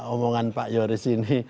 omongan pak yoris ini